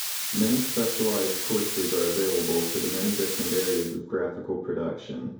Many specialized courses are available for the many different areas of graphical production.